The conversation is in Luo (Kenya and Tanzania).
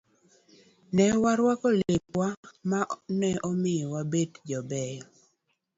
Ne warwako lepwa ma ne omiyo wabet jobeyo